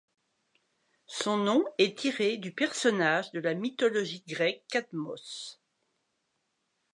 Son nom est tiré du personnage de la mythologie grecque Cadmos.